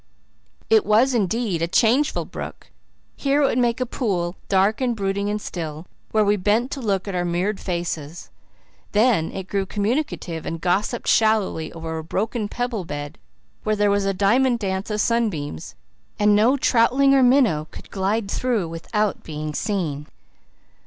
It was indeed a changeful brook; here it would make a pool, dark and brooding and still, where we bent to look at our mirrored faces; then it grew communicative and gossiped shallowly over a broken pebble bed where there was a diamond dance of sunbeams and no troutling or minnow could glide through without being seen.